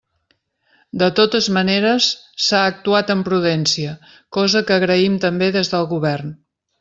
De totes maneres, s'ha actuat amb prudència, cosa que agraïm també des del Govern.